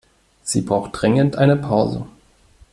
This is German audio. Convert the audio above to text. Sie braucht dringend eine Pause.